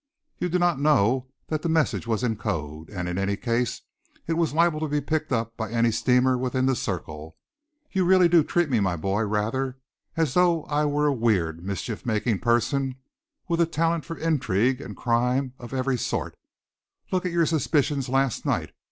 You do not know that the message was in code, and in any case it was liable to be picked up by any steamer within the circle. You really do treat me, my boy, rather as though I were a weird, mischief making person with a talent for intrigue and crime of every sort. Look at your suspicions last night.